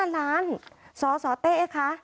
๕ล้านสสเต้คะ